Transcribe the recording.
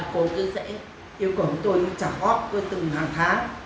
cô sẽ yêu cầu tôi trả góp tôi từng hàng tháng